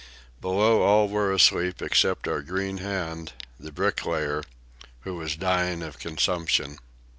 Below all were asleep except our green hand, the "bricklayer," who was dying of consumption.